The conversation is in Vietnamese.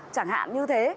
chẳng hạn như thế